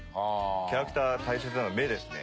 キャラクターで大切なのは目ですね。